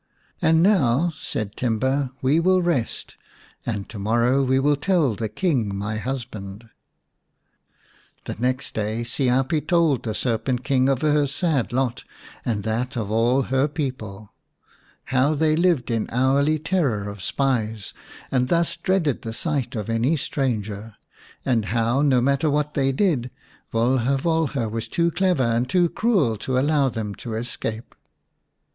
" And now," said Timba, " we will rest, and to morrow we will tell the King, my husband." The next day Siapi told the Serpent King of her sad lot and that of all her people ; how they lived in hourly terror of spies, and thus dreaded the sight of any stranger ; and how, no matter what they did, Volha Volha was too clever and too cruel to allow them to escape.